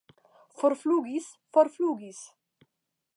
Forflugis, forflugis!